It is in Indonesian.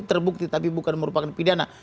terbukti tapi bukan merupakan pidana